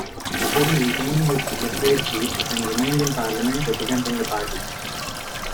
Anderton retained his electorate seat and remained in Parliament representing the party.